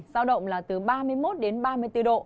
giao động là từ ba mươi một đến ba mươi bốn độ